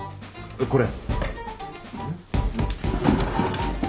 これ。